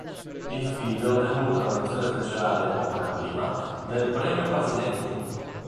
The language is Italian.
Il film ha ottenuto la menzione speciale Opera Prima del Premio Pasinetti.